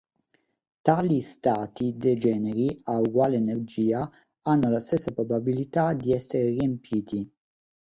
Tali stati degeneri a uguale energia hanno la stessa probabilità di essere riempiti.